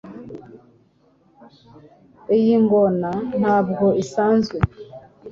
iyi ngona ntabwo isanzwe